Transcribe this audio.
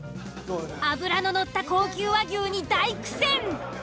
脂の乗った高級和牛に大苦戦。